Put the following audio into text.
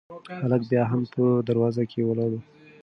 هلک بیا هم په دروازه کې ولاړ و.